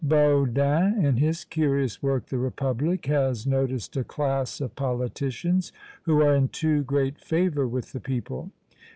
Bodin, in his curious work "The Republic," has noticed a class of politicians who are in too great favour with the people.